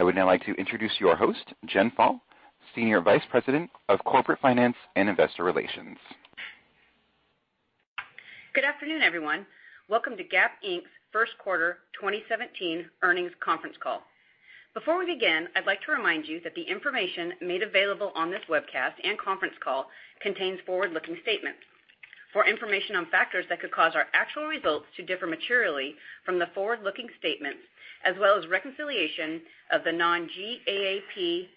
I would now like to introduce your host, Tina Romani, Senior Vice President of Corporate Finance and Investor Relations. Good afternoon, everyone. Welcome to Gap Inc.'s first quarter 2017 earnings conference call. Before we begin, I'd like to remind you that the information made available on this webcast and conference call contains forward-looking statements. For information on factors that could cause our actual results to differ materially from the forward-looking statements, as well as reconciliation of the non-GAAP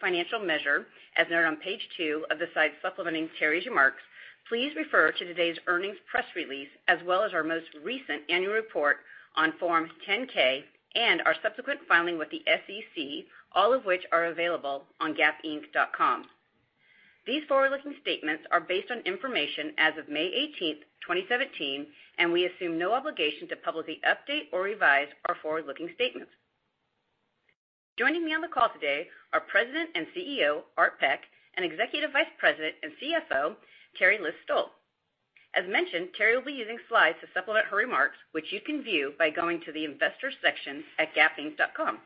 financial measure, as noted on page two of the slide supplementing Teri's remarks, please refer to today's earnings press release, as well as our most recent annual report on Form 10-K and our subsequent filing with the SEC, all of which are available on gapinc.com. These forward-looking statements are based on information as of May 18th, 2017. We assume no obligation to publicly update or revise our forward-looking statements. Joining me on the call today are President and CEO, Art Peck, and Executive Vice President and CFO, Teri List-Stoll. As mentioned, Teri will be using slides to supplement her remarks, which you can view by going to the investors section at gapinc.com.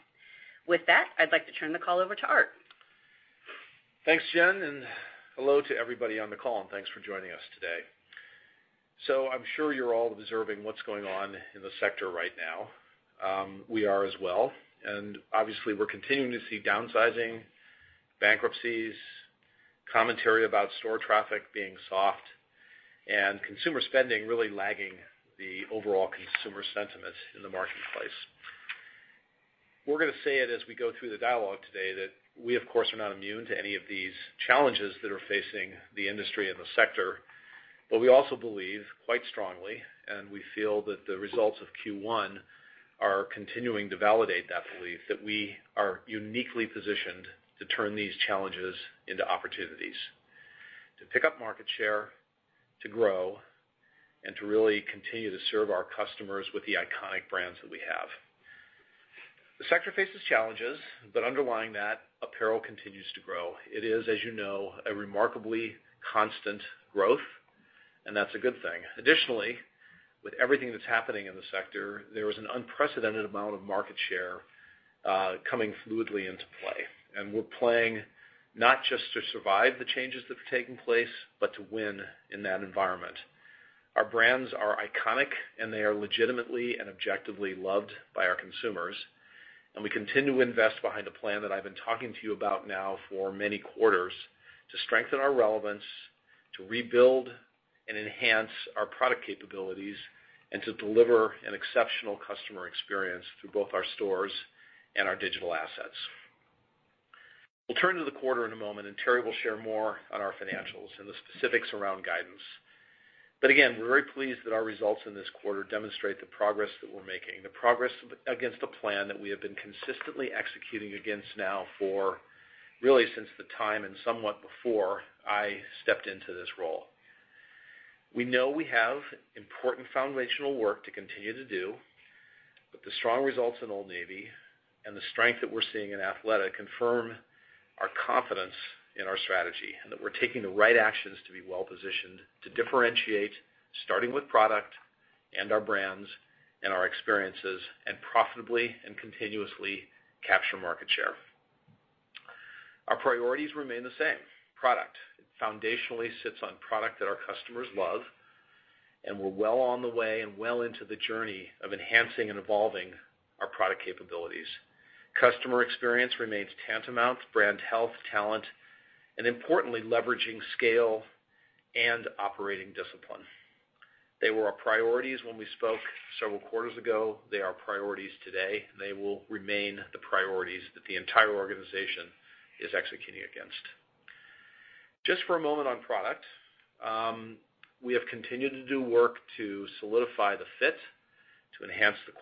With that, I'd like to turn the call over to Art. Thanks, Tina, and hello to everybody on the call, and thanks for joining us today. I'm sure you're all observing what's going on in the sector right now. We are as well, and obviously we're continuing to see downsizing, bankruptcies, commentary about store traffic being soft, and consumer spending really lagging the overall consumer sentiment in the marketplace. We're going to say it as we go through the dialogue today that we, of course, are not immune to any of these challenges that are facing the industry and the sector. We also believe quite strongly, and we feel that the results of Q1 are continuing to validate that belief that we are uniquely positioned to turn these challenges into opportunities, to pick up market share, to grow, and to really continue to serve our customers with the iconic brands that we have. The sector faces challenges, but underlying that, apparel continues to grow. It is, as you know, a remarkably constant growth, that's a good thing. Additionally, with everything that's happening in the sector, there is an unprecedented amount of market share coming fluidly into play. We're playing not just to survive the changes that are taking place, but to win in that environment. Our brands are iconic, they are legitimately and objectively loved by our consumers, we continue to invest behind the plan that I've been talking to you about now for many quarters to strengthen our relevance, to rebuild and enhance our product capabilities, and to deliver an exceptional customer experience through both our stores and our digital assets. We'll turn to the quarter in a moment, Teri will share more on our financials and the specifics around guidance. Again, we're very pleased that our results in this quarter demonstrate the progress that we're making, the progress against the plan that we have been consistently executing against now for really since the time and somewhat before I stepped into this role. We know we have important foundational work to continue to do, but the strong results in Old Navy and the strength that we're seeing in Athleta confirm our confidence in our strategy, that we're taking the right actions to be well-positioned to differentiate, starting with product and our brands and our experiences, profitably and continuously capture market share. Our priorities remain the same. Product. It foundationally sits on product that our customers love, we're well on the way and well into the journey of enhancing and evolving our product capabilities. Customer experience remains tantamount to brand health, talent, and importantly, leveraging scale and operating discipline. They were our priorities when we spoke several quarters ago. They are priorities today, they will remain the priorities that the entire organization is executing against. Just for a moment on product. We have continued to do work to solidify the fit, to enhance the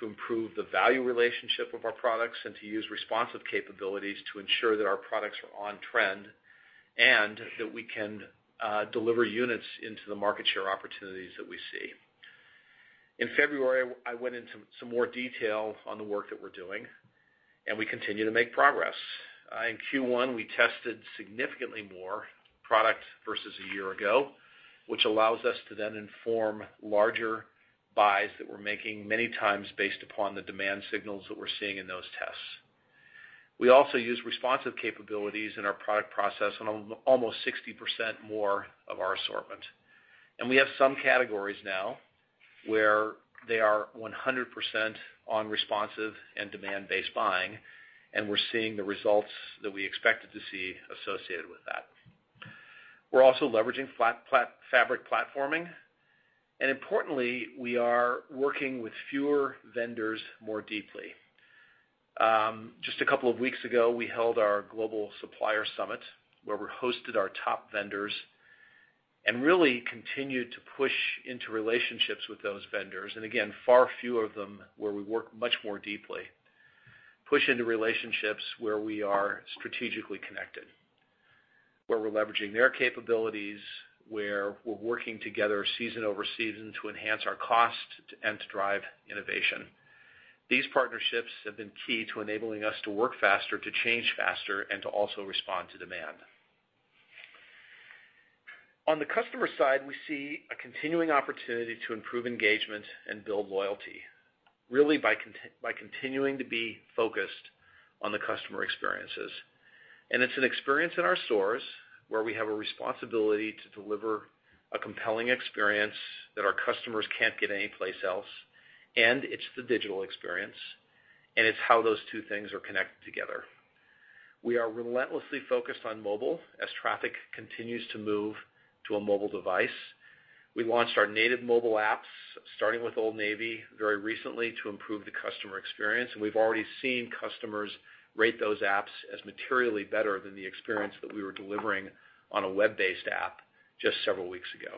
quality, to improve the value relationship of our products, to use responsive capabilities to ensure that our products are on trend and that we can deliver units into the market share opportunities that we see. In February, I went into some more detail on the work that we're doing, we continue to make progress. In Q1, we tested significantly more product versus a year ago, which allows us to then inform larger buys that we're making many times based upon the demand signals that we're seeing in those tests. We also use responsive capabilities in our product process on almost 60% more of our assortment. We have some categories now where they are 100% on responsive and demand-based buying, we're seeing the results that we expected to see associated with that. We're also leveraging fabric platforming, importantly, we are working with fewer vendors more deeply. Just a couple of weeks ago, we held our global supplier summit, where we hosted our top vendors really continued to push into relationships with those vendors. Again, far fewer of them where we work much more deeply, push into relationships where we are strategically connected, where we're leveraging their capabilities, where we're working together season over season to enhance our cost and to drive innovation. These partnerships have been key to enabling us to work faster, to change faster, and to also respond to demand. On the customer side, we see a continuing opportunity to improve engagement and build loyalty, really by continuing to be focused on the customer experiences. It's an experience in our stores where we have a responsibility to deliver a compelling experience that our customers can't get anyplace else, and it's the digital experience, and it's how those two things are connected together. We are relentlessly focused on mobile as traffic continues to move to a mobile device. We launched our native mobile apps, starting with Old Navy very recently to improve the customer experience, and we've already seen customers rate those apps as materially better than the experience that we were delivering on a web-based app just several weeks ago.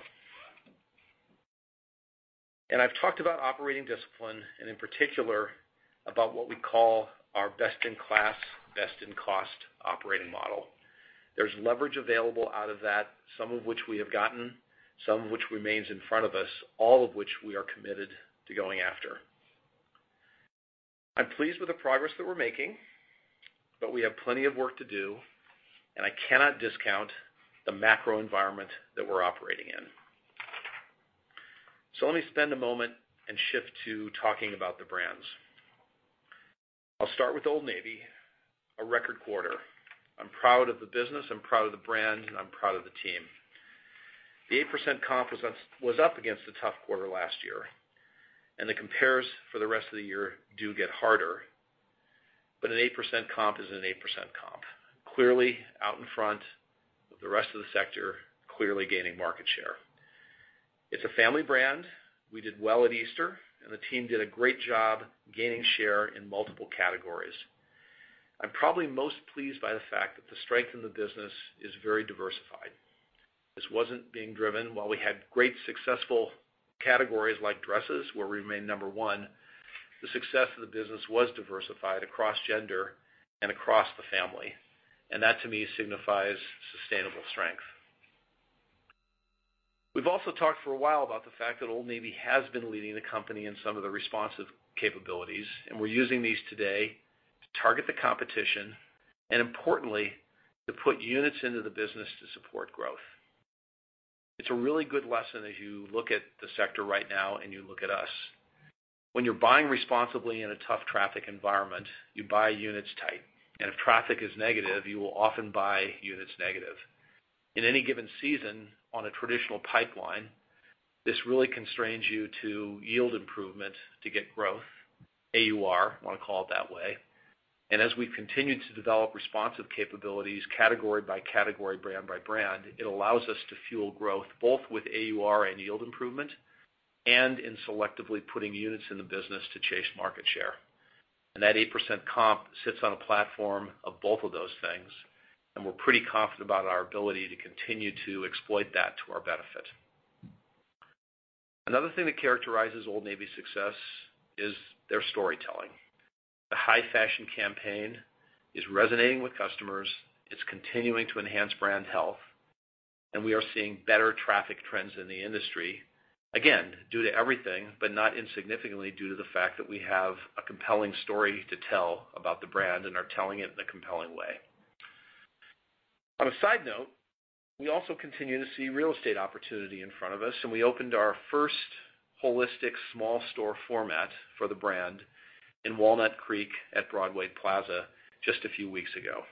I've talked about operating discipline, and in particular, about what we call our best-in-class, best-in-cost operating model. There's leverage available out of that, some of which we have gotten, some of which remains in front of us, all of which we are committed to going after. I'm pleased with the progress that we're making, but we have plenty of work to do, and I cannot discount the macro environment that we're operating in. Let me spend a moment and shift to talking about the brands. I'll start with Old Navy, a record quarter. I'm proud of the business, I'm proud of the brand, and I'm proud of the team. The 8% comp was up against a tough quarter last year, and the compares for the rest of the year do get harder, but an 8% comp is an 8% comp. Clearly out in front of the rest of the sector, clearly gaining market share. It's a family brand. We did well at Easter, and the team did a great job gaining share in multiple categories. I'm probably most pleased by the fact that the strength in the business is very diversified. This wasn't being driven. While we had great successful categories like dresses, where we remain number one, the success of the business was diversified across gender and across the family, and that to me signifies sustainable strength. We've also talked for a while about the fact that Old Navy has been leading the company in some of the responsive capabilities, and we're using these today to target the competition, and importantly, to put units into the business to support growth. It's a really good lesson as you look at the sector right now and you look at us. When you're buying responsibly in a tough traffic environment, you buy units tight, and if traffic is negative, you will often buy units negative. In any given season on a traditional pipeline, this really constrains you to yield improvement to get growth, AUR, I want to call it that way. As we continue to develop responsive capabilities category by category, brand by brand, it allows us to fuel growth both with AUR and yield improvement, and in selectively putting units in the business to chase market share. That 8% comp sits on a platform of both of those things, we're pretty confident about our ability to continue to exploit that to our benefit. Another thing that characterizes Old Navy's success is their storytelling. The high-fashion campaign is resonating with customers. It's continuing to enhance brand health, we are seeing better traffic trends in the industry, again, due to everything, but not insignificantly due to the fact that we have a compelling story to tell about the brand and are telling it in a compelling way. On a side note, we also continue to see real estate opportunity in front of us, we opened our first holistic small store format for the brand in Walnut Creek at Broadway Plaza just a few weeks ago.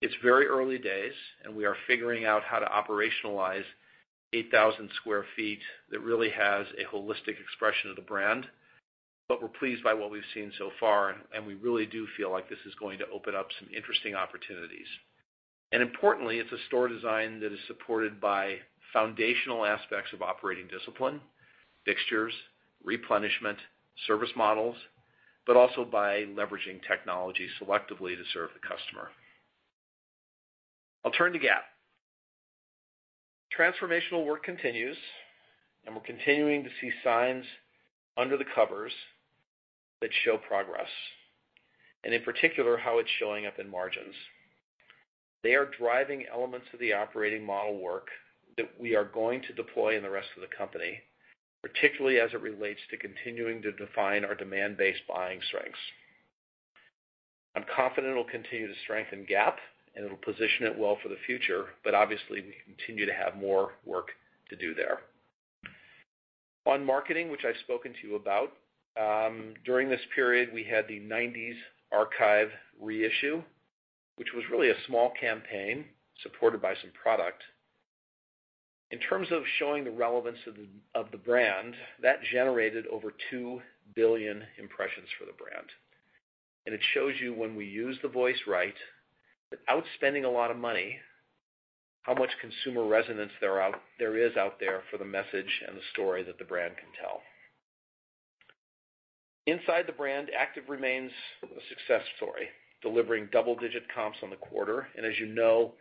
It's very early days we are figuring out how to operationalize 8,000 square feet that really has a holistic expression of the brand, we're pleased by what we've seen so far, we really do feel like this is going to open up some interesting opportunities. Importantly, it's a store design that is supported by foundational aspects of operating discipline, fixtures, replenishment, service models, also by leveraging technology selectively to serve the customer. I'll turn to Gap. Transformational work continues, we're continuing to see signs under the covers that show progress, in particular, how it's showing up in margins. They are driving elements of the operating model work that we are going to deploy in the rest of the company, particularly as it relates to continuing to define our demand-based buying strengths. I'm confident it'll continue to strengthen Gap, it'll position it well for the future, obviously, we continue to have more work to do there. On marketing, which I've spoken to you about, during this period, we had the '90s archive reissue, which was really a small campaign supported by some product. In terms of showing the relevance of the brand, that generated over 2 billion impressions for the brand. It shows you when we use the voice right, without spending a lot of money, how much consumer resonance there is out there for the message and the story that the brand can tell. Inside the brand, active remains a success story, delivering double-digit comps on the quarter. As you know,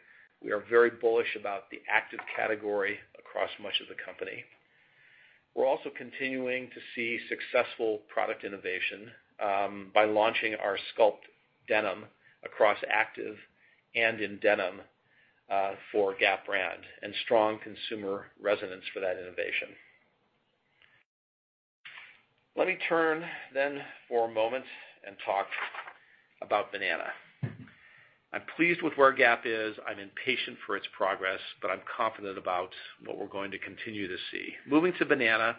we are very bullish about the active category across much of the company. We're also continuing to see successful product innovation by launching our Sculpt denim across active and in denim for Gap brand strong consumer resonance for that innovation. Let me turn for a moment and talk about Banana. I'm pleased with where Gap is. I'm impatient for its progress, I'm confident about what we're going to continue to see. Moving to Banana,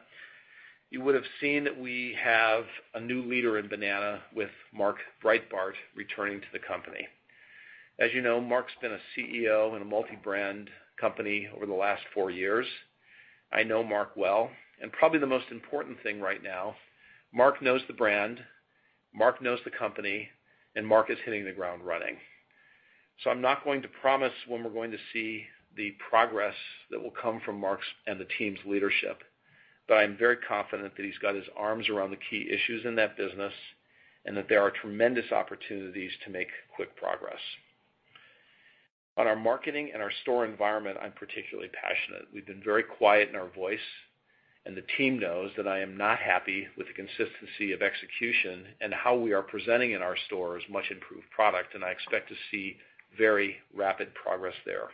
you would've seen that we have a new leader in Banana with Mark Breitbard returning to the company. As you know, Mark's been a CEO in a multi-brand company over the last 4 years. I know Mark well, probably the most important thing right now, Mark knows the brand, Mark knows the company, Mark is hitting the ground running. I'm not going to promise when we're going to see the progress that will come from Mark's and the team's leadership, but I'm very confident that he's got his arms around the key issues in that business, and that there are tremendous opportunities to make quick progress. On our marketing and our store environment, I'm particularly passionate. We've been very quiet in our voice, and the team knows that I am not happy with the consistency of execution and how we are presenting in our stores much-improved product, and I expect to see very rapid progress there.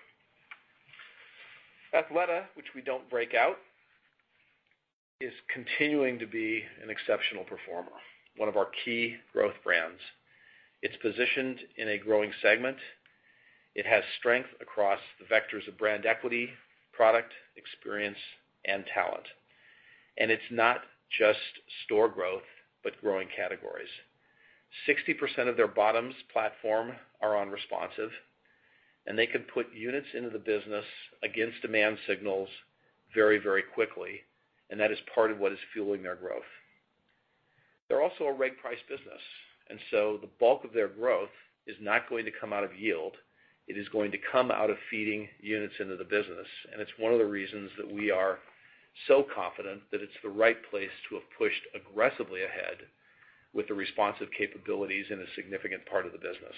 Athleta, which we don't break out, is continuing to be an exceptional performer, one of our key growth brands. It's positioned in a growing segment. It has strength across the vectors of brand equity, product, experience, and talent. It's not just store growth, but growing categories. 60% of their bottoms platform are on Responsive, and they can put units into the business against demand signals very quickly, and that is part of what is fueling their growth. They're also a right-price business, and so the bulk of their growth is not going to come out of yield. It is going to come out of feeding units into the business. It's one of the reasons that we are so confident that it's the right place to have pushed aggressively ahead with the responsive capabilities in a significant part of the business.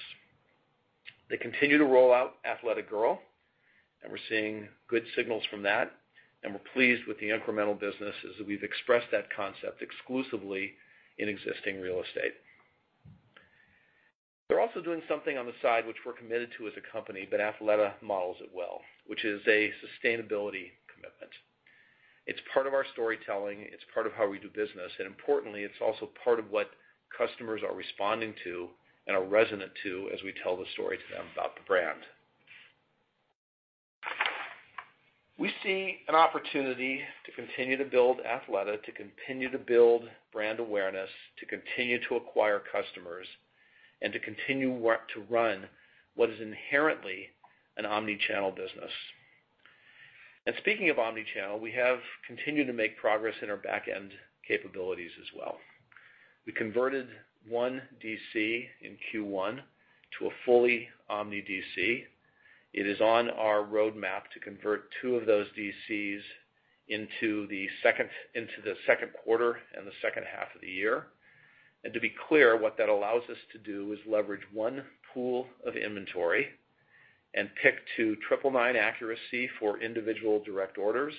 They continue to roll out Athleta Girl, and we're seeing good signals from that, and we're pleased with the incremental business as we've expressed that concept exclusively in existing real estate. They're also doing something on the side, which we're committed to as a company, but Athleta models it well, which is a sustainability commitment. It's part of our storytelling. It's part of how we do business. Importantly, it's also part of what customers are responding to and are resonant to as we tell the story to them about the brand. We see an opportunity to continue to build Athleta, to continue to build brand awareness, to continue to acquire customers, and to continue to run what is inherently an omni-channel business. Speaking of omni-channel, we have continued to make progress in our backend capabilities as well. We converted one DC in Q1 to a fully omni DC. It is on our roadmap to convert two of those DCs into the second quarter and the second half of the year. To be clear, what that allows us to do is leverage one pool of inventory and pick to 999 accuracy for individual direct orders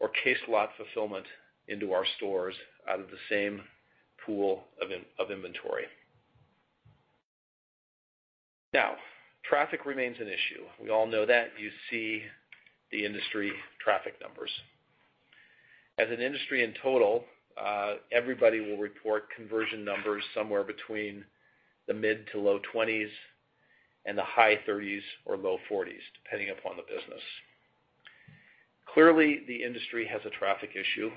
or case lot fulfillment into our stores out of the same pool of inventory. Now, traffic remains an issue. We all know that. You see the industry traffic numbers. As an industry in total, everybody will report conversion numbers somewhere between the mid-to-low 20s and the high 30s or low 40s, depending upon the business. Clearly, the industry has a traffic issue,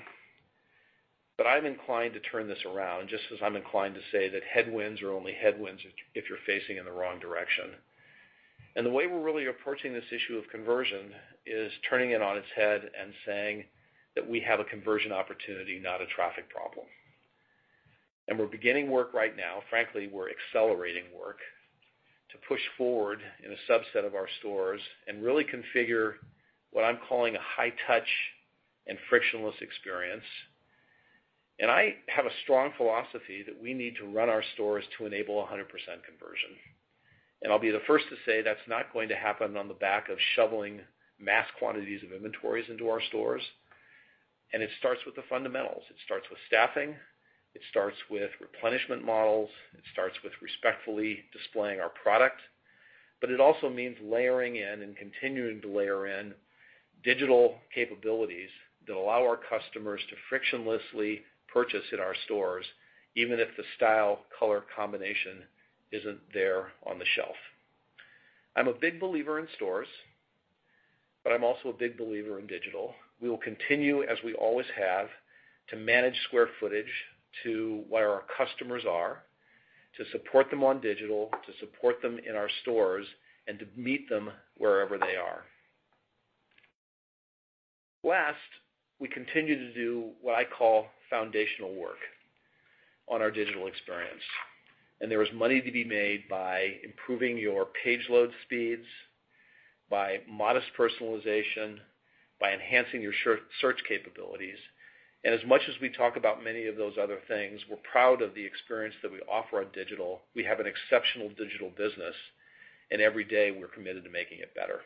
but I'm inclined to turn this around just as I'm inclined to say that headwinds are only headwinds if you're facing in the wrong direction. The way we're really approaching this issue of conversion is turning it on its head and saying that we have a conversion opportunity, not a traffic problem. And we're beginning work right now. Frankly, we're accelerating work to push forward in a subset of our stores and really configure what I'm calling a high touch and frictionless experience. I have a strong philosophy that we need to run our stores to enable 100% conversion. I'll be the first to say that's not going to happen on the back of shoveling mass quantities of inventories into our stores. It starts with the fundamentals. It starts with staffing. It starts with replenishment models. It starts with respectfully displaying our product. It also means layering in and continuing to layer in digital capabilities that allow our customers to frictionlessly purchase in our stores, even if the style color combination isn't there on the shelf. I'm a big believer in stores, but I'm also a big believer in digital. We will continue, as we always have, to manage square footage to where our customers are, to support them on digital, to support them in our stores, and to meet them wherever they are. Last, we continue to do what I call foundational work on our digital experience. There is money to be made by improving your page load speeds, by modest personalization, by enhancing your search capabilities. As much as we talk about many of those other things, we're proud of the experience that we offer on digital. We have an exceptional digital business, and every day, we're committed to making it better.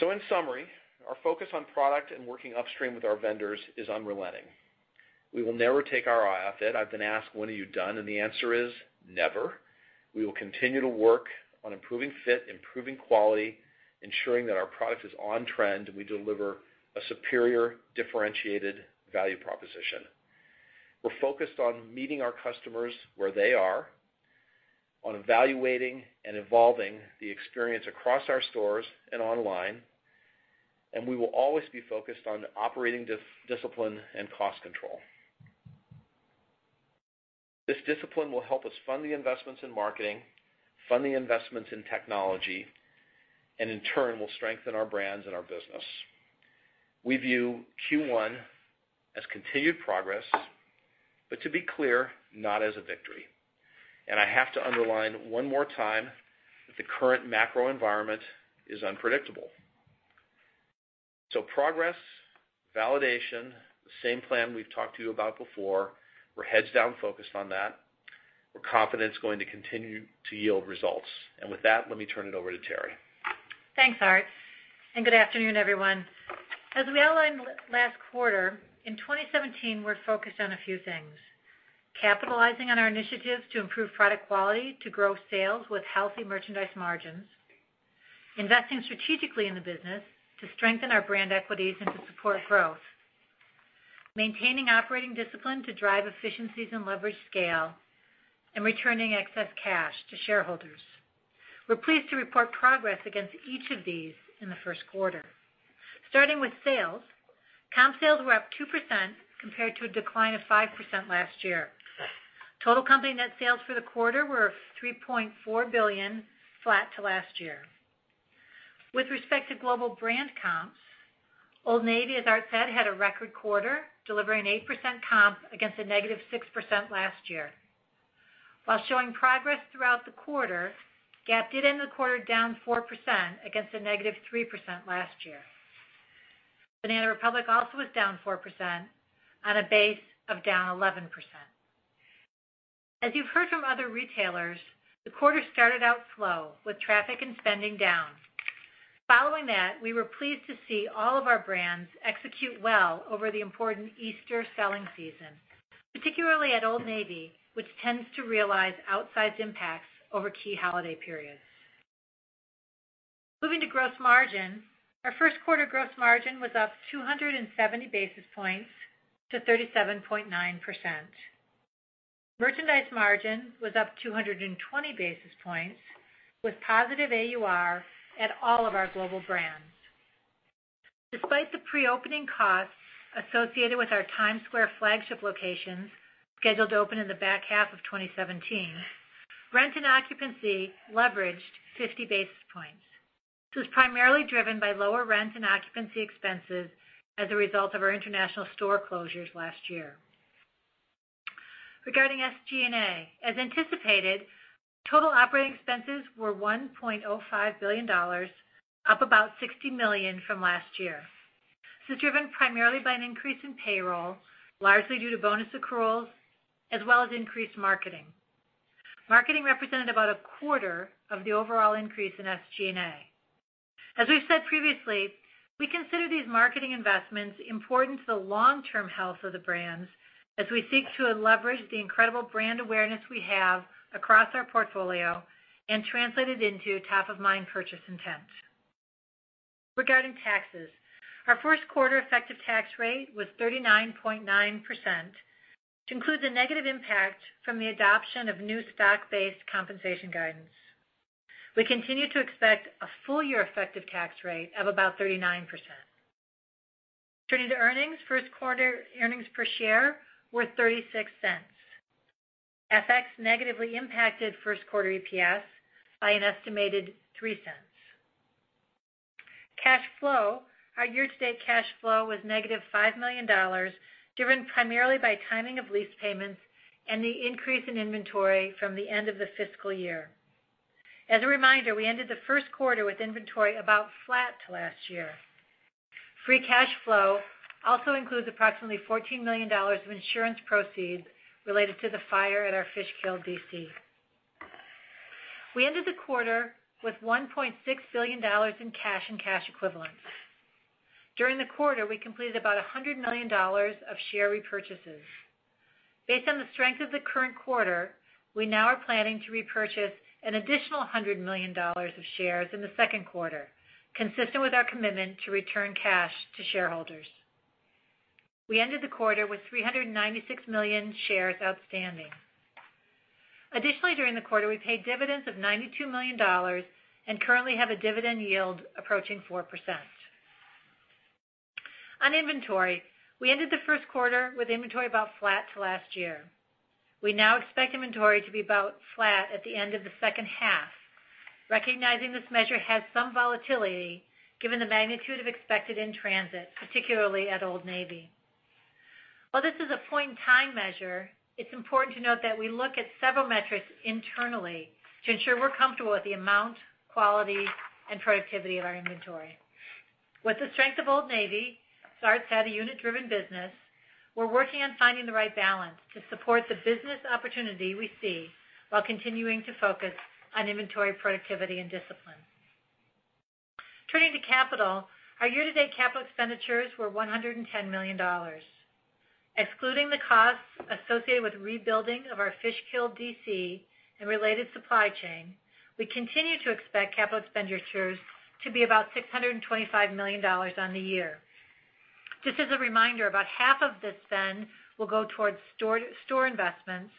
In summary, our focus on product and working upstream with our vendors is unrelenting. We will never take our eye off it. I've been asked, "When are you done?" The answer is never. We will continue to work on improving fit, improving quality, ensuring that our product is on trend, and we deliver a superior, differentiated value proposition. We're focused on meeting our customers where they are. On evaluating and evolving the experience across our stores and online, we will always be focused on operating discipline and cost control. This discipline will help us fund the investments in marketing, fund the investments in technology, in turn, will strengthen our brands and our business. We view Q1 as continued progress, to be clear, not as a victory. I have to underline one more time that the current macro environment is unpredictable. Progress, validation, the same plan we've talked to you about before. We're heads down focused on that. We're confident it's going to continue to yield results. With that, let me turn it over to Teri. Thanks, Art, and good afternoon, everyone. As we outlined last quarter, in 2017, we're focused on a few things. Capitalizing on our initiatives to improve product quality to grow sales with healthy merchandise margins. Investing strategically in the business to strengthen our brand equities and to support growth. Maintaining operating discipline to drive efficiencies and leverage scale, and returning excess cash to shareholders. We're pleased to report progress against each of these in the first quarter. Starting with sales, comp sales were up 2% compared to a decline of 5% last year. Total company net sales for the quarter were $3.4 billion, flat to last year. With respect to global brand comps, Old Navy, as Art said, had a record quarter, delivering 8% comp against a negative 6% last year. While showing progress throughout the quarter, Gap did end the quarter down 4% against a negative 3% last year. Banana Republic also was down 4% on a base of down 11%. As you've heard from other retailers, the quarter started out slow with traffic and spending down. Following that, we were pleased to see all of our brands execute well over the important Easter selling season, particularly at Old Navy, which tends to realize outsized impacts over key holiday periods. Moving to gross margin. Our first quarter gross margin was up 270 basis points to 37.9%. Merchandise margin was up 220 basis points with positive AUR at all of our global brands. Despite the pre-opening costs associated with our Times Square flagship location, scheduled to open in the back half of 2017, rent and occupancy leveraged 50 basis points. This was primarily driven by lower rent and occupancy expenses as a result of our international store closures last year. Regarding SG&A, as anticipated, total operating expenses were $1.05 billion, up about $60 million from last year. This is driven primarily by an increase in payroll, largely due to bonus accruals, as well as increased marketing. Marketing represented about a quarter of the overall increase in SG&A. As we've said previously, we consider these marketing investments important to the long-term health of the brands as we seek to leverage the incredible brand awareness we have across our portfolio and translate it into top-of-mind purchase intent. Regarding taxes, our first quarter effective tax rate was 39.9%, which includes a negative impact from the adoption of new stock-based compensation guidance. We continue to expect a full-year effective tax rate of about 39%. Turning to earnings. First quarter earnings per share were $0.36. FX negatively impacted first quarter EPS by an estimated $0.03. Cash flow. Our year-to-date cash flow was negative $5 million, driven primarily by timing of lease payments and the increase in inventory from the end of the fiscal year. As a reminder, we ended the first quarter with inventory about flat to last year. Free cash flow also includes approximately $14 million of insurance proceeds related to the fire at our Fishkill DC. We ended the quarter with $1.6 billion in cash and cash equivalents. During the quarter, we completed about $100 million of share repurchases. Based on the strength of the current quarter, we now are planning to repurchase an additional $100 million of shares in the second quarter, consistent with our commitment to return cash to shareholders. We ended the quarter with 396 million shares outstanding. Additionally, during the quarter, we paid dividends of $92 million and currently have a dividend yield approaching 4%. On inventory, we ended the first quarter with inventory about flat to last year. We now expect inventory to be about flat at the end of the second half. Recognizing this measure has some volatility given the magnitude of expected in-transit, particularly at Old Navy. While this is a point-in-time measure, it's important to note that we look at several metrics internally to ensure we're comfortable with the amount, quality, and productivity of our inventory. With the strength of Old Navy, as Art said, a unit-driven business, we're working on finding the right balance to support the business opportunity we see while continuing to focus on inventory productivity and discipline. Turning to capital. Our year-to-date capital expenditures were $110 million. Excluding the costs associated with rebuilding of our Fishkill DC and related supply chain, we continue to expect capital expenditures to be about $625 million on the year. Just as a reminder, about half of this spend will go towards store investments,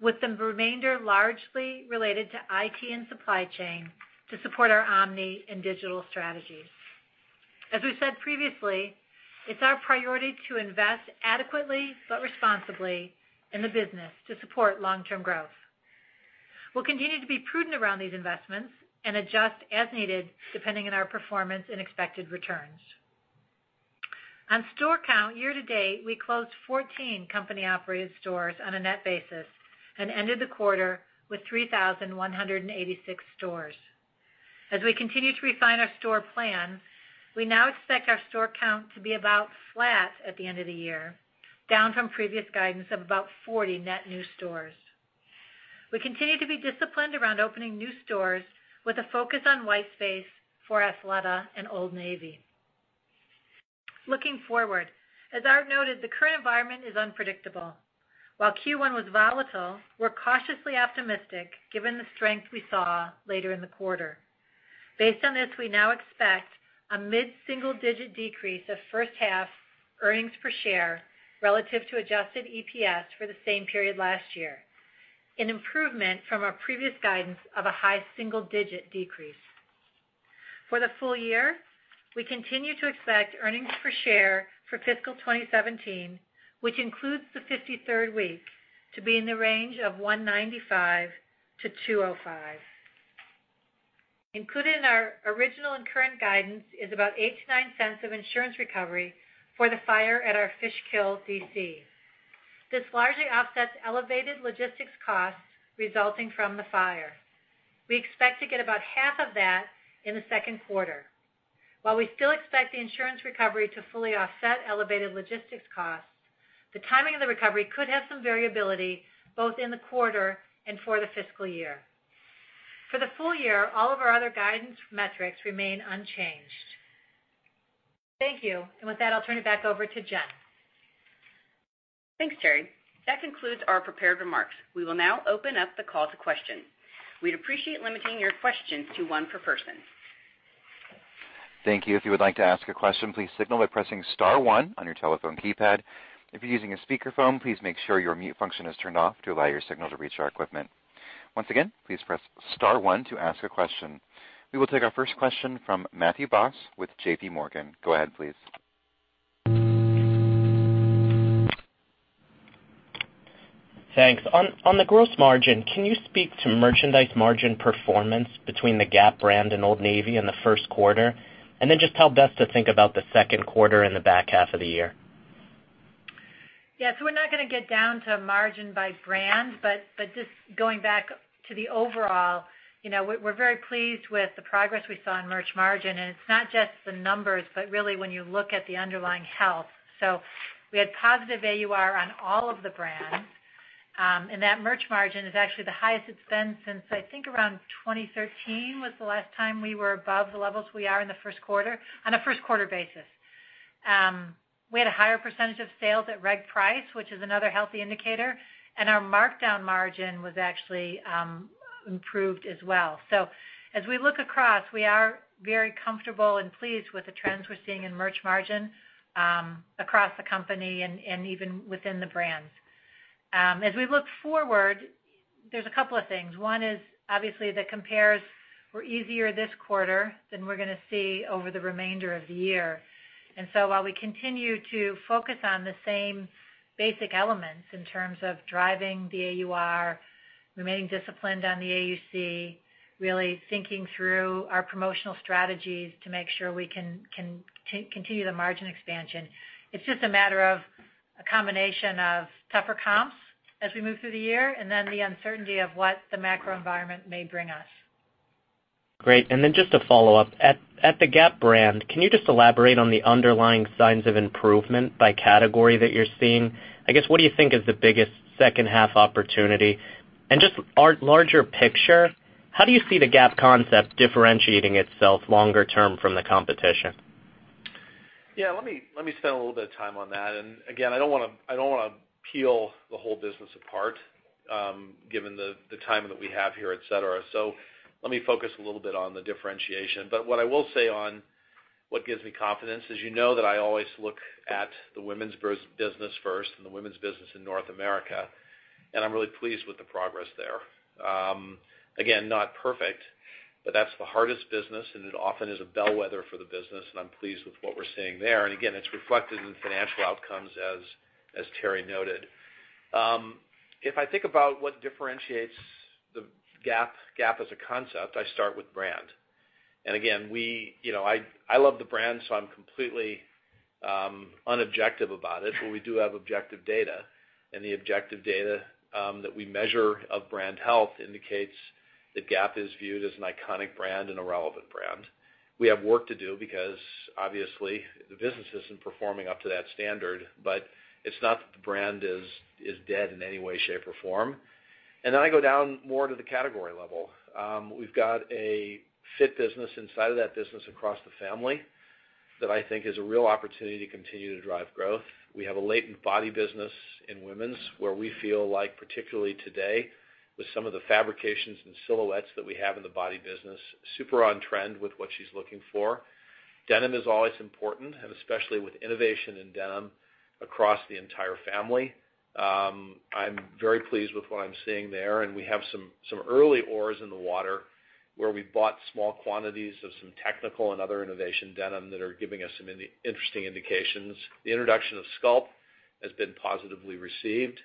with the remainder largely related to IT and supply chain to support our omni and digital strategies. As we said previously, it's our priority to invest adequately but responsibly in the business to support long-term growth. We'll continue to be prudent around these investments and adjust as needed, depending on our performance and expected returns. On store count year-to-date, we closed 14 company-operated stores on a net basis and ended the quarter with 3,186 stores. As we continue to refine our store plans, we now expect our store count to be about flat at the end of the year, down from previous guidance of about 40 net new stores. We continue to be disciplined around opening new stores with a focus on white space for Athleta and Old Navy. Looking forward, as Art noted, the current environment is unpredictable. While Q1 was volatile, we're cautiously optimistic given the strength we saw later in the quarter. Based on this, we now expect a mid-single-digit decrease of first half earnings per share relative to adjusted EPS for the same period last year, an improvement from our previous guidance of a high single-digit decrease. For the full year, we continue to expect earnings per share for fiscal 2017, which includes the 53rd week, to be in the range of 195 to 205. Included in our original and current guidance is about $0.08-$0.09 of insurance recovery for the fire at our Fishkill DC. This largely offsets elevated logistics costs resulting from the fire. We expect to get about half of that in the second quarter. While we still expect the insurance recovery to fully offset elevated logistics costs, the timing of the recovery could have some variability both in the quarter and for the fiscal year. For the full year, all of our other guidance metrics remain unchanged. Thank you. With that, I'll turn it back over to Jen. Thanks, Teri. That concludes our prepared remarks. We will now open up the call to questions. We'd appreciate limiting your questions to one per person. Thank you. If you would like to ask a question, please signal by pressing *1 on your telephone keypad. If you are using a speakerphone, please make sure your mute function is turned off to allow your signal to reach our equipment. Once again, please press *1 to ask a question. We will take our first question from Matthew Boss with JPMorgan. Go ahead, please. Thanks. On the gross margin, can you speak to merchandise margin performance between the Gap brand and Old Navy in the first quarter? Just how best to think about the second quarter and the back half of the year. Yeah. We are not going to get down to margin by brand, but just going back to the overall, we are very pleased with the progress we saw in merch margin. It is not just the numbers, but really when you look at the underlying health. We had positive AUR on all of the brands, and that merch margin is actually the highest it has been since, I think, around 2013 was the last time we were above the levels we are in the first quarter, on a first quarter basis. We had a higher percentage of sales at reg price, which is another healthy indicator, and our markdown margin was actually improved as well. As we look across, we are very comfortable and pleased with the trends we are seeing in merch margin across the company and even within the brands. As we look forward, there is a couple of things. One is obviously the compares were easier this quarter than we are going to see over the remainder of the year. While we continue to focus on the same basic elements in terms of driving the AUR, remaining disciplined on the AUC, really thinking through our promotional strategies to make sure we can continue the margin expansion, it is just a matter of a combination of tougher comps as we move through the year, the uncertainty of what the macro environment may bring us. Great. Just a follow-up. At the Gap brand, can you just elaborate on the underlying signs of improvement by category that you're seeing? I guess, what do you think is the biggest second half opportunity? Just Art, larger picture, how do you see the Gap concept differentiating itself longer term from the competition? Yeah. Let me spend a little bit of time on that. I don't want to peel the whole business apart, given the time that we have here, et cetera. Let me focus a little bit on the differentiation. What I will say on what gives me confidence is you know that I always look at the women's business first and the women's business in North America, and I'm really pleased with the progress there. Again, not perfect, but that's the hardest business, and it often is a bellwether for the business, and I'm pleased with what we're seeing there. It's reflected in the financial outcomes, as Teri noted. If I think about what differentiates the Gap as a concept, I start with brand. I love the brand, I'm completely unobjective about it, we do have objective data, and the objective data that we measure of brand health indicates that Gap is viewed as an iconic brand and a relevant brand. We have work to do because obviously the business isn't performing up to that standard, but it's not that the brand is dead in any way, shape, or form. I go down more to the category level. We've got a fit business inside of that business across the family that I think is a real opportunity to continue to drive growth. We have a latent body business in women's where we feel like, particularly today with some of the fabrications and silhouettes that we have in the body business, super on trend with what she's looking for. Denim is always important, especially with innovation in Denim across the entire family. I'm very pleased with what I'm seeing there, we have some early oars in the water where we bought small quantities of some technical and other innovation Denim that are giving us some interesting indications. The introduction of Sculpt has been positively received.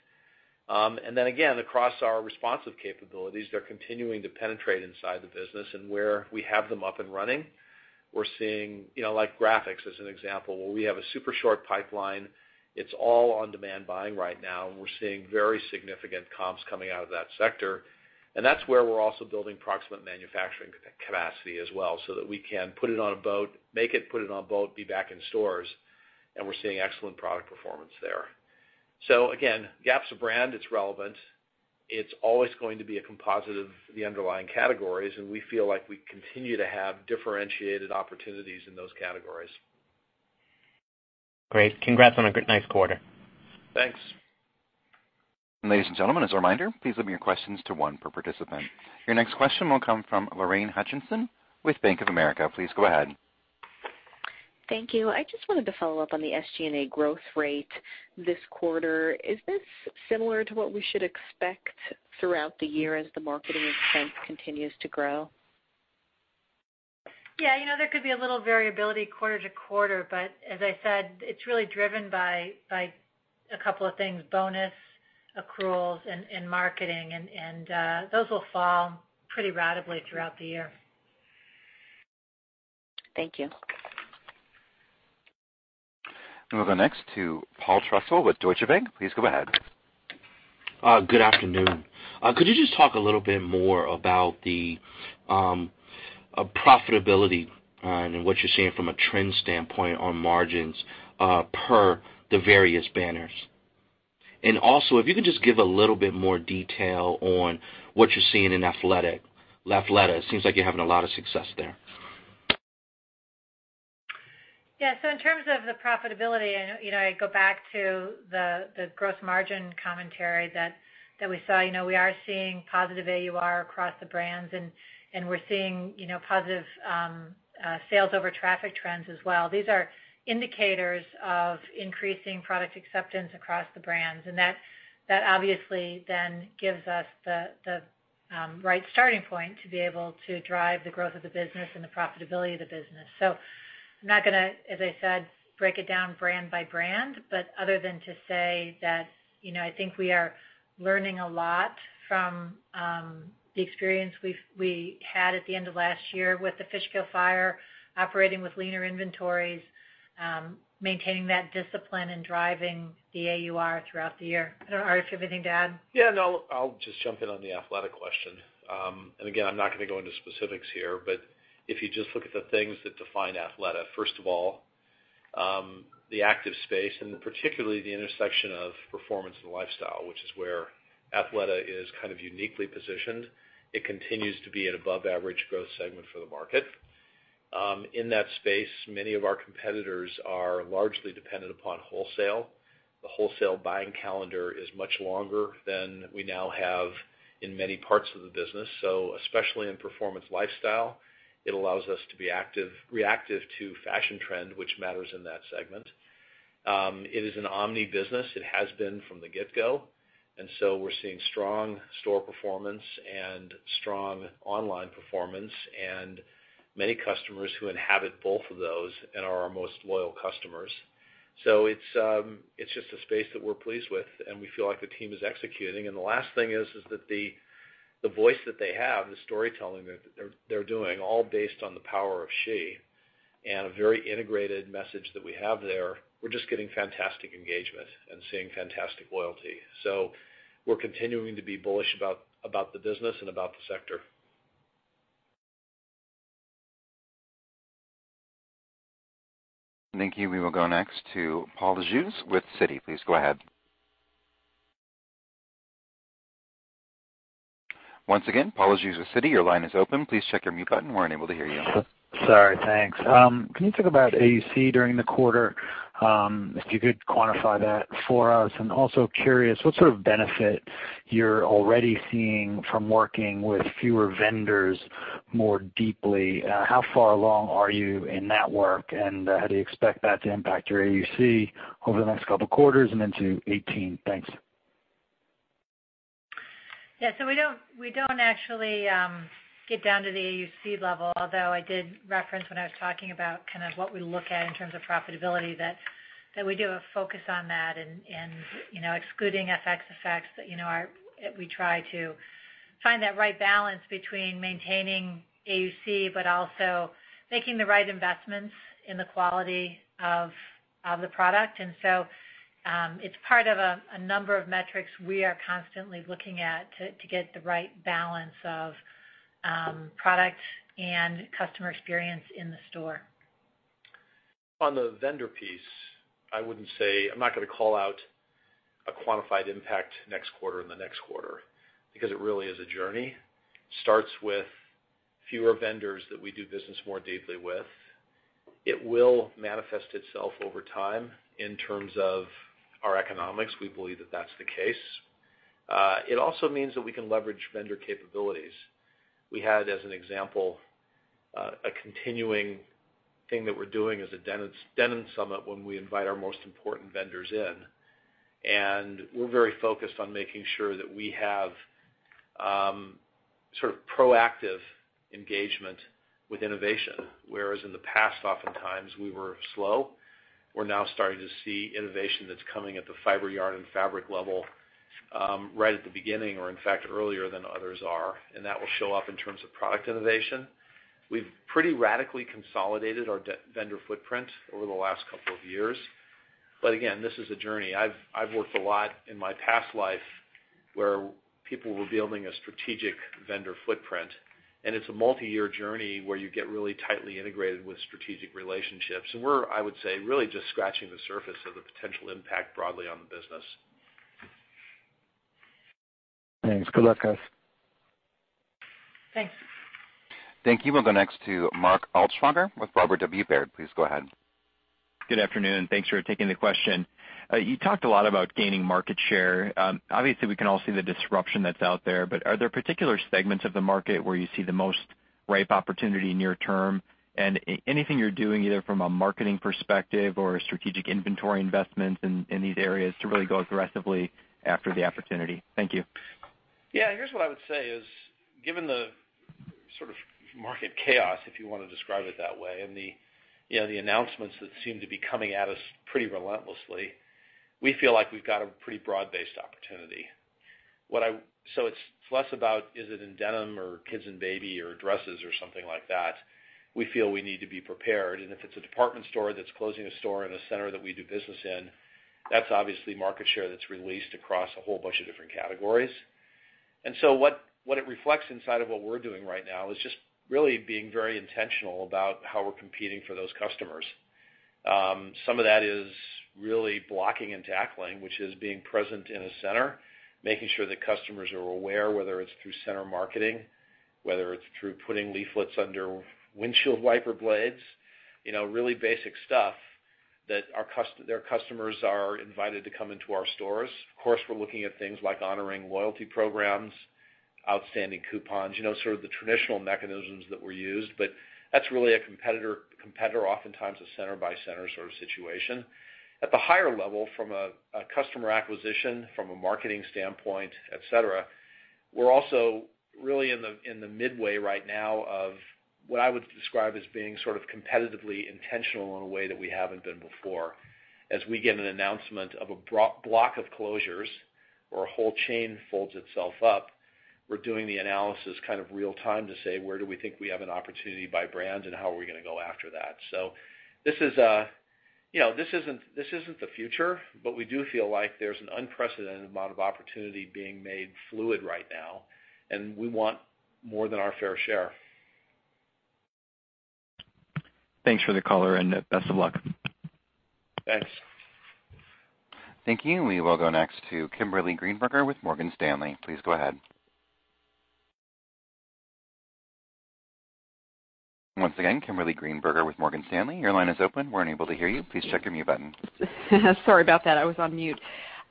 Across our responsive capabilities, they're continuing to penetrate inside the business. Where we have them up and running, we're seeing Like graphics as an example, where we have a super short pipeline, it's all on-demand buying right now, and we're seeing very significant comps coming out of that sector. That's where we're also building proximate manufacturing capacity as well, so that we can make it, put it on a boat, be back in stores, and we're seeing excellent product performance there. Again, Gap's a brand, it's relevant. It's always going to be a composite of the underlying categories, and we feel like we continue to have differentiated opportunities in those categories. Great. Congrats on a nice quarter. Thanks. Ladies and gentlemen, as a reminder, please limit your questions to one per participant. Your next question will come from Lorraine Hutchinson with Bank of America. Please go ahead. Thank you. I just wanted to follow up on the SG&A growth rate this quarter. Is this similar to what we should expect throughout the year as the marketing expense continues to grow? Yeah. There could be a little variability quarter-to-quarter, but as I said, it's really driven by a couple of things, bonus accruals and marketing, and those will fall pretty ratably throughout the year. Thank you. We'll go next to Paul Trussell with Deutsche Bank. Please go ahead. Good afternoon. Could you just talk a little bit more about the profitability and what you're seeing from a trend standpoint on margins per the various banners? Also, if you could just give a little bit more detail on what you're seeing in Athleta. It seems like you're having a lot of success there. In terms of the profitability, I go back to the gross margin commentary that we saw. We are seeing positive AUR across the brands, we're seeing positive sales over traffic trends as well. These are indicators of increasing product acceptance across the brands, that obviously then gives us the right starting point to be able to drive the growth of the business and the profitability of the business. I'm not going to, as I said, break it down brand by brand, but other than to say that I think we are learning a lot from the experience we had at the end of last year with the Fishkill fire, operating with leaner inventories, maintaining that discipline, and driving the AUR throughout the year. I don't know, Art, if you have anything to add. I'll just jump in on the Athleta question. Again, I'm not going to go into specifics here, but if you just look at the things that define Athleta, first of all, the active space, particularly the intersection of performance and lifestyle, which is where Athleta is kind of uniquely positioned. It continues to be an above-average growth segment for the market. In that space, many of our competitors are largely dependent upon wholesale. The wholesale buying calendar is much longer than we now have in many parts of the business. Especially in performance lifestyle, it allows us to be reactive to fashion trend, which matters in that segment. It is an omni business. It has been from the get-go, we're seeing strong store performance and strong online performance and many customers who inhabit both of those and are our most loyal customers. It's just a space that we're pleased with, we feel like the team is executing. The last thing is that the voice that they have, the storytelling that they're doing, all based on the power of she and a very integrated message that we have there. We're just getting fantastic engagement and seeing fantastic loyalty. We're continuing to be bullish about the business and about the sector. Thank you. We will go next to Paul Lejuez with Citi. Please go ahead. Once again, Paul Lejuez with Citi, your line is open. Please check your mute button. We're unable to hear you. Sorry. Thanks. Can you talk about AUC during the quarter? If you could quantify that for us. Also curious what sort of benefit you are already seeing from working with fewer vendors more deeply. How far along are you in that work? How do you expect that to impact your AUC over the next couple of quarters and into 2018? Thanks. We do not actually get down to the AUC level, although I did reference when I was talking about what we look at in terms of profitability, that we do have focus on that. Excluding FX effects, we try to find that right balance between maintaining AUC, but also making the right investments in the quality of the product. It is part of a number of metrics we are constantly looking at to get the right balance of product and customer experience in the store. On the vendor piece, I am not going to call out a quantified impact next quarter and the next quarter, because it really is a journey. It starts with fewer vendors that we do business more deeply with. It will manifest itself over time in terms of our economics. We believe that that is the case. It also means that we can leverage vendor capabilities. We had, as an example, a continuing thing that we are doing is a Denim Summit when we invite our most important vendors in. We are very focused on making sure that we have proactive engagement with innovation, whereas in the past, oftentimes we were slow. We are now starting to see innovation that is coming at the fiber yard and fabric level, right at the beginning or in fact earlier than others are. That will show up in terms of product innovation. We have pretty radically consolidated our vendor footprint over the last couple of years. Again, this is a journey. I have worked a lot in my past life where people were building a strategic vendor footprint. It is a multi-year journey where you get really tightly integrated with strategic relationships. We are, I would say, really just scratching the surface of the potential impact broadly on the business. Thanks. Good luck, guys. Thanks. Thank you. We'll go next to Mark Altschwager with Robert W. Baird. Please go ahead. Good afternoon. Thanks for taking the question. You talked a lot about gaining market share. Obviously, we can all see the disruption that's out there. Are there particular segments of the market where you see the most ripe opportunity near term? Anything you're doing, either from a marketing perspective or strategic inventory investments in these areas to really go aggressively after the opportunity? Thank you. Yeah. Here's what I would say is, given the market chaos, if you want to describe it that way. The announcements that seem to be coming at us pretty relentlessly, we feel like we've got a pretty broad-based opportunity. It's less about, is it in denim or kids and baby or dresses or something like that. We feel we need to be prepared. If it's a department store that's closing a store in a center that we do business in, that's obviously market share that's released across a whole bunch of different categories. What it reflects inside of what we're doing right now is just really being very intentional about how we're competing for those customers. Some of that is really blocking and tackling, which is being present in a center, making sure that customers are aware, whether it's through center marketing, whether it's through putting leaflets under windshield wiper blades, really basic stuff that their customers are invited to come into our stores. Of course, we're looking at things like honoring loyalty programs, outstanding coupons, sort of the traditional mechanisms that were used. That's really a competitor, oftentimes, a center-by-center sort of situation. At the higher level, from a customer acquisition, from a marketing standpoint, et cetera, we're also really in the midway right now of what I would describe as being competitively intentional in a way that we haven't been before. As we get an announcement of a block of closures or a whole chain folds itself up, we're doing the analysis real time to say, where do we think we have an opportunity by brand, and how are we going to go after that? This isn't the future, but we do feel like there's an unprecedented amount of opportunity being made fluid right now, and we want more than our fair share. Thanks for the color, and best of luck. Thanks. Thank you. We will go next to Kimberly Greenberger with Morgan Stanley. Please go ahead. Once again, Kimberly Greenberger with Morgan Stanley. Your line is open. We're unable to hear you. Please check your mute button. Sorry about that. I was on mute.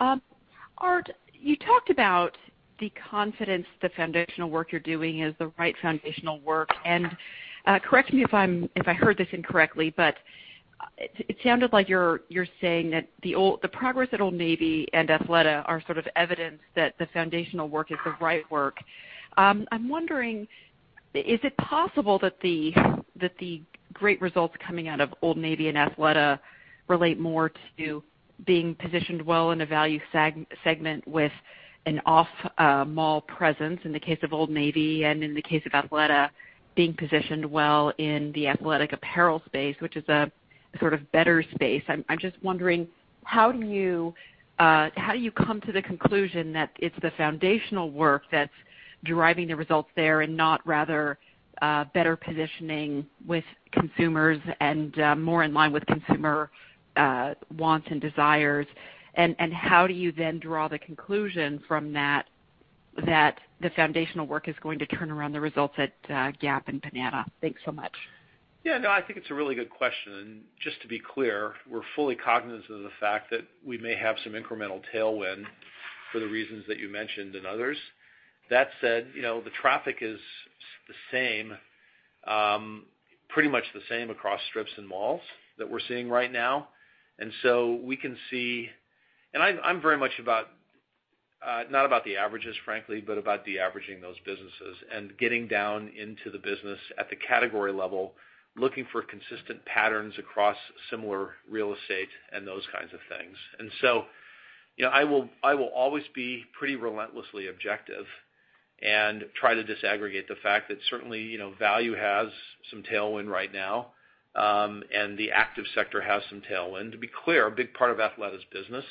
Art, you talked about the confidence, the foundational work you're doing is the right foundational work, and correct me if I heard this incorrectly, but it sounded like you're saying that the progress at Old Navy and Athleta are sort of evidence that the foundational work is the right work. I'm wondering, is it possible that the great results coming out of Old Navy and Athleta relate more to being positioned well in a value segment with an off-mall presence in the case of Old Navy, and in the case of Athleta, being positioned well in the athletic apparel space, which is a sort of better space. I'm just wondering, how do you come to the conclusion that it's the foundational work that's driving the results there and not rather, better positioning with consumers and more in line with consumer wants and desires? How do you then draw the conclusion from that the foundational work is going to turn around the results at Gap and Banana? Thanks so much. Yeah, no, I think it's a really good question. Just to be clear, we're fully cognizant of the fact that we may have some incremental tailwind for the reasons that you mentioned and others. That said, the traffic is pretty much the same across strips and malls that we're seeing right now. I'm very much not about the averages, frankly, but about de-averaging those businesses and getting down into the business at the category level, looking for consistent patterns across similar real estate and those kinds of things. I will always be pretty relentlessly objective and try to disaggregate the fact that certainly, value has some tailwind right now, and the active sector has some tailwind. To be clear, a big part of Athleta's business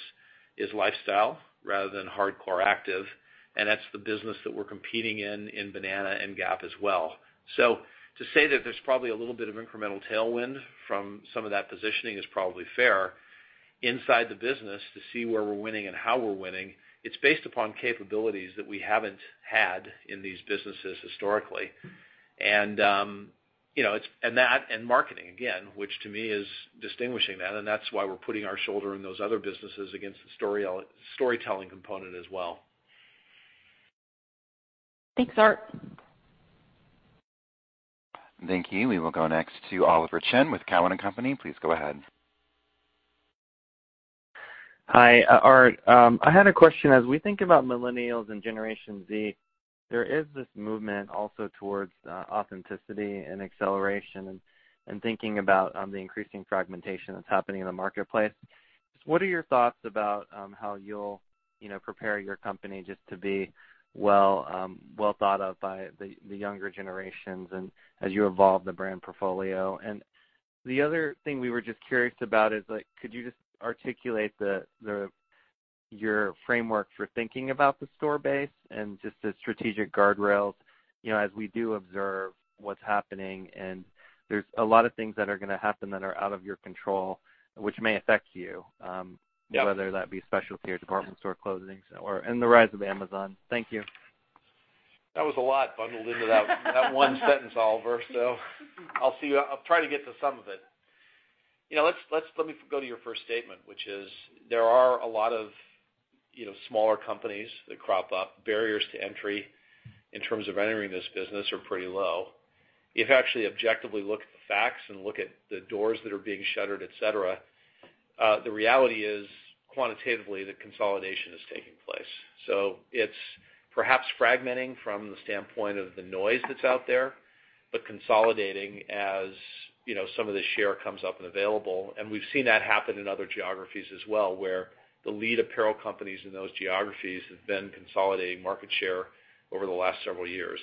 is lifestyle rather than hardcore active, and that's the business that we're competing in Banana and Gap as well. To say that there's probably a little bit of incremental tailwind from some of that positioning is probably fair. Inside the business, to see where we're winning and how we're winning, it's based upon capabilities that we haven't had in these businesses historically. That and marketing, again, which to me is distinguishing that, and that's why we're putting our shoulder in those other businesses against the storytelling component as well. Thanks, Art. Thank you. We will go next to Oliver Chen with Cowen and Company. Please go ahead. Hi, Art. I had a question. As we think about millennials and Generation Z, there is this movement also towards authenticity and acceleration, and thinking about the increasing fragmentation that's happening in the marketplace. Just what are your thoughts about how you'll prepare your company just to be well thought of by the younger generations and as you evolve the brand portfolio? The other thing we were just curious about is could you just articulate your framework for thinking about the store base and just the strategic guardrails, as we do observe what's happening, and there's a lot of things that are going to happen that are out of your control, which may affect you. Yep Whether that be specialty or department store closings, and the rise of Amazon. Thank you. That was a lot bundled into that one sentence, Oliver. I'll try to get to some of it. Let me go to your first statement, which is, there are a lot of smaller companies that crop up. Barriers to entry in terms of entering this business are pretty low. If you actually objectively look at the facts and look at the doors that are being shuttered, et cetera, the reality is quantitatively, the consolidation is taking place. It's perhaps fragmenting from the standpoint of the noise that's out there, but consolidating as some of the share comes up and available. We've seen that happen in other geographies as well, where the lead apparel companies in those geographies have been consolidating market share over the last several years.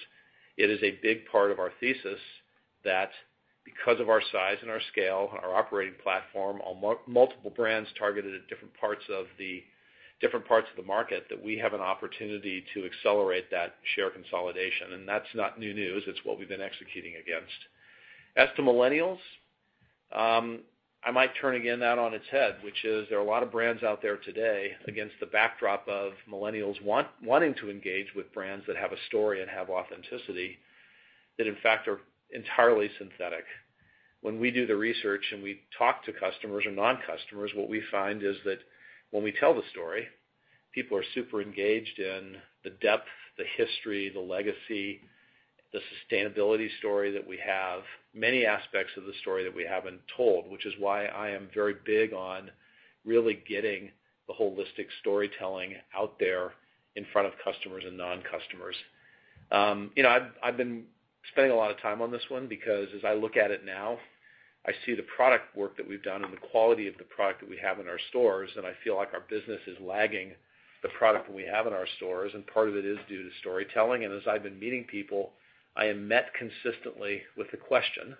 It is a big part of our thesis that because of our size and our scale, our operating platform, our multiple brands targeted at different parts of the market, that we have an opportunity to accelerate that share consolidation. That's not new news. It's what we've been executing against. As to millennials, I might turn again that on its head, which is there are a lot of brands out there today against the backdrop of millennials wanting to engage with brands that have a story and have authenticity that, in fact, are entirely synthetic. When we do the research and we talk to customers or non-customers, what we find is that when we tell the story, people are super engaged in the depth, the history, the legacy, the sustainability story that we have, many aspects of the story that we haven't told, which is why I am very big on really getting the holistic storytelling out there in front of customers and non-customers. I've been spending a lot of time on this one because as I look at it now, I see the product work that we've done and the quality of the product that we have in our stores, and I feel like our business is lagging the product that we have in our stores, and part of it is due to storytelling. As I've been meeting people, I am met consistently with the question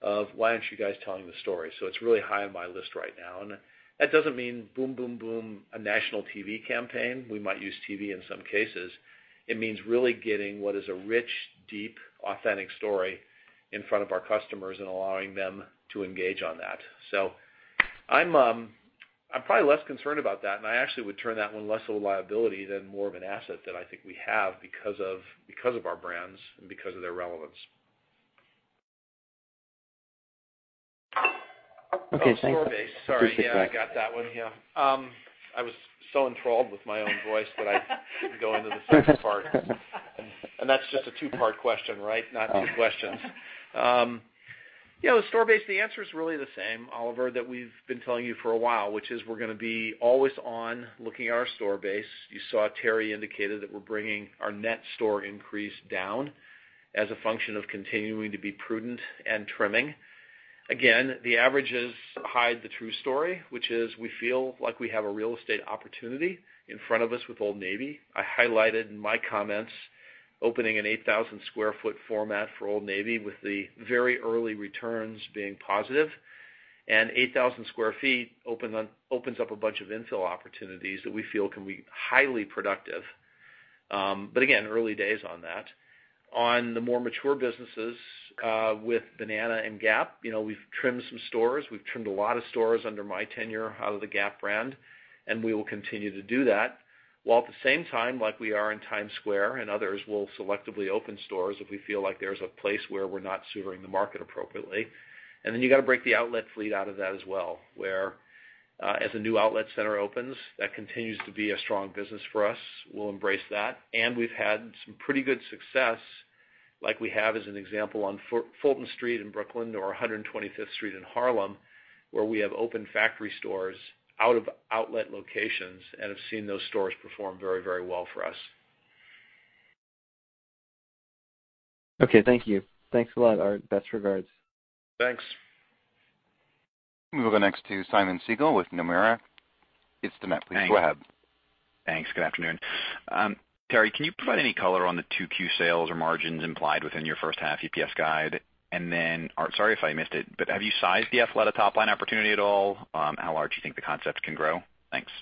of, "Why aren't you guys telling the story?" It's really high on my list right now, and that doesn't mean boom, boom, a national TV campaign. We might use TV in some cases. It means really getting what is a rich, deep, authentic story in front of our customers and allowing them to engage on that. I'm probably less concerned about that, and I actually would turn that one less of a liability than more of an asset that I think we have because of our brands and because of their relevance. Okay, thanks. Store base. Sorry. Yeah, I got that one. Yeah. I was so enthralled with my own voice that I didn't go into the second part. That's just a two-part question, right? Not two questions. With store base, the answer's really the same, Oliver, that we've been telling you for a while, which is we're going to be always on looking at our store base. You saw Teri indicated that we're bringing our net store increase down as a function of continuing to be prudent and trimming. Again, the averages hide the true story, which is we feel like we have a real estate opportunity in front of us with Old Navy. I highlighted in my comments opening an 8,000 sq ft format for Old Navy, with the very early returns being positive. 8,000 sq ft opens up a bunch of infill opportunities that we feel can be highly productive. Again, early days on that. On the more mature businesses, with Banana and Gap, we've trimmed some stores. We've trimmed a lot of stores under my tenure out of the Gap brand, and we will continue to do that, while at the same time, like we are in Times Square and others, we'll selectively open stores if we feel like there's a place where we're not serving the market appropriately. Then you got to break the outlet fleet out of that as well, where as a new outlet center opens, that continues to be a strong business for us. We'll embrace that. We've had some pretty good success, like we have, as an example, on Fulton Street in Brooklyn or 125th Street in Harlem, where we have opened factory stores out of outlet locations and have seen those stores perform very well for us. Okay, thank you. Thanks a lot, Art. Best regards. Thanks. We'll go next to Simeon Siegel with Nomura Instinet. Please go ahead. Then, Art, sorry if I missed it, but have you sized the Athleta top-line opportunity at all? How large do you think the concepts can grow? Thanks.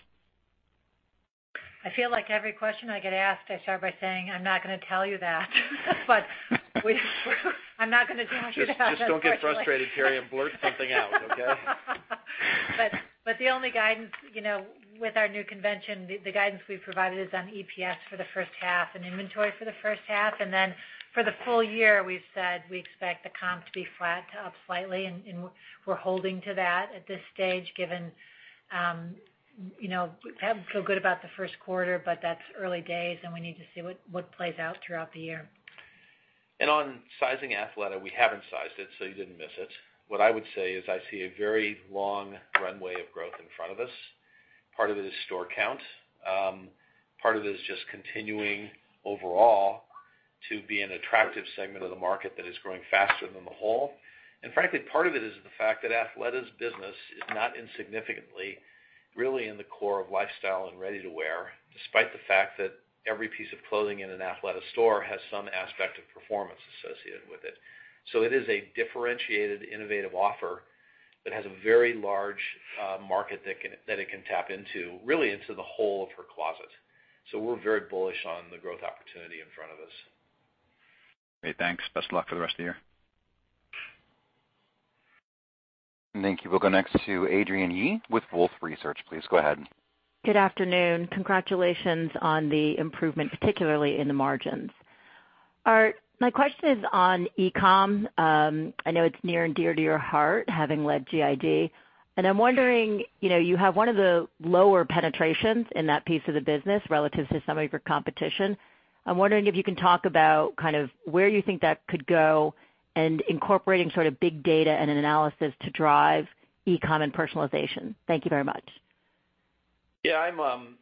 I feel like every question I get asked, I start by saying, "I'm not going to tell you that." I'm not going to talk about that, unfortunately. Just don't get frustrated, Teri, and blurt something out, okay? The only guidance with our new convention, the guidance we've provided is on EPS for the first half and inventory for the first half. For the full year, we've said we expect the comps to be flat to up slightly, and we're holding to that at this stage, given we feel good about the first quarter, but that's early days, and we need to see what plays out throughout the year. On sizing Athleta, we haven't sized it, so you didn't miss it. What I would say is I see a very long runway of growth in front of us. Part of it is store count. Part of it is just continuing overall to be an attractive segment of the market that is growing faster than the whole. Frankly, part of it is the fact that Athleta's business is not insignificantly really in the core of lifestyle and ready-to-wear, despite the fact that every piece of clothing in an Athleta store has some aspect of performance associated with it. It is a differentiated, innovative offer that has a very large market that it can tap into, really into the whole of her closet. We're very bullish on the growth opportunity in front of us. Great. Thanks. Best of luck for the rest of the year. Thank you. We'll go next to Adrienne Yih with Wolfe Research. Please go ahead. Good afternoon. Congratulations on the improvement, particularly in the margins. Art, my question is on e-com. I know it's near and dear to your heart, having led GID. I'm wondering, you have one of the lower penetrations in that piece of the business relative to some of your competition. I'm wondering if you can talk about where you think that could go and incorporating sort of big data and analysis to drive e-com and personalization. Thank you very much. Yeah, I'm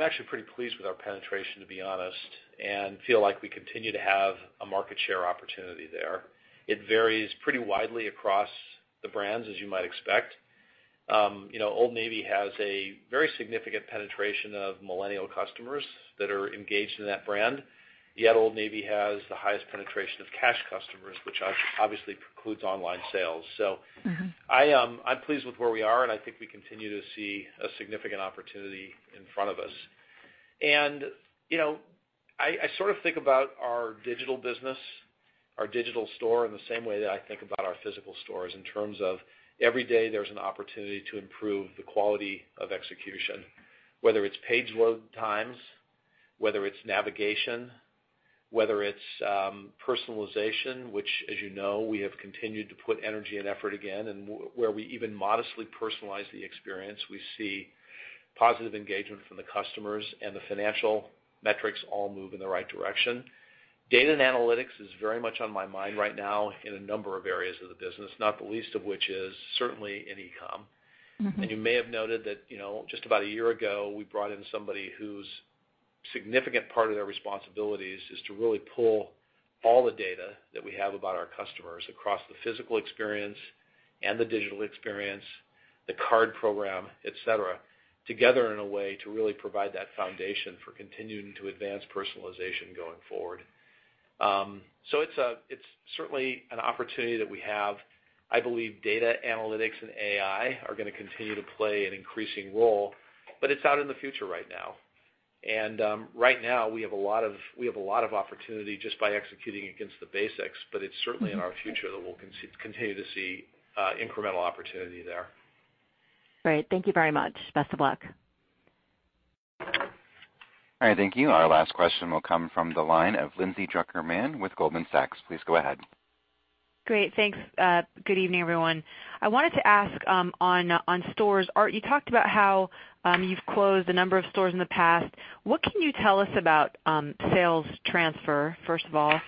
actually pretty pleased with our penetration, to be honest, and feel like we continue to have a market share opportunity there. It varies pretty widely across the brands, as you might expect. Old Navy has a very significant penetration of millennial customers that are engaged in that brand. Yet Old Navy has the highest penetration of cash customers, which obviously precludes online sales. I'm pleased with where we are, and I think we continue to see a significant opportunity in front of us. I sort of think about our digital business, our digital store, in the same way that I think about our physical stores in terms of every day there's an opportunity to improve the quality of execution, whether it's page load times, whether it's navigation, whether it's personalization, which, as you know, we have continued to put energy and effort again, and where we even modestly personalize the experience, we see positive engagement from the customers and the financial metrics all move in the right direction. Data and analytics is very much on my mind right now in a number of areas of the business, not the least of which is certainly in e-com. You may have noted that just about a year ago, we brought in somebody whose significant part of their responsibilities is to really pull all the data that we have about our customers across the physical experience and the digital experience, the card program, et cetera, together in a way to really provide that foundation for continuing to advance personalization going forward. It's certainly an opportunity that we have. I believe data analytics and AI are going to continue to play an increasing role, but it's out in the future right now. Right now we have a lot of opportunity just by executing against the basics, but it's certainly in our future that we'll continue to see incremental opportunity there. Great. Thank you very much. Best of luck. All right. Thank you. Our last question will come from the line of Lindsay Drucker Mann with Goldman Sachs. Please go ahead. Great. Thanks. Good evening, everyone. I wanted to ask on stores. Art, you talked about how you've closed a number of stores in the past. What can you tell us about sales transfer, first of all?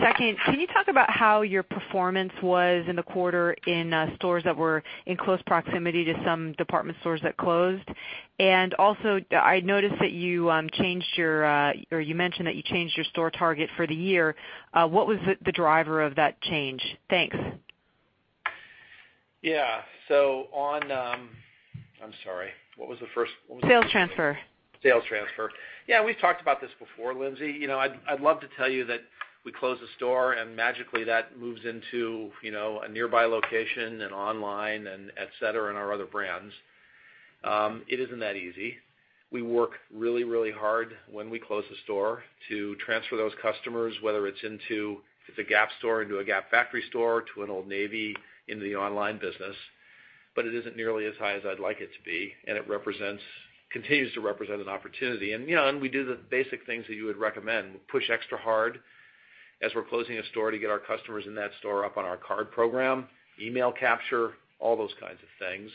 Second, can you talk about how your performance was in the quarter in stores that were in close proximity to some department stores that closed? Also, I noticed that you mentioned that you changed your store target for the year. What was the driver of that change? Thanks. Yeah. I'm sorry, what was the first? Sales transfer. Sales transfer. Yeah, we've talked about this before, Lindsay. I'd love to tell you that we close a store and magically that moves into a nearby location and online and et cetera, and our other brands. It isn't that easy. We work really hard when we close a store to transfer those customers, whether it's into, if it's a Gap store, into a Gap Factory store, to an Old Navy, into the online business. It isn't nearly as high as I'd like it to be, and it continues to represent an opportunity. We do the basic things that you would recommend. We push extra hard as we're closing a store to get our customers in that store up on our card program, email capture, all those kinds of things.